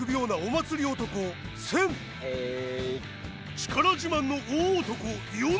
力自慢の大男ヨネ。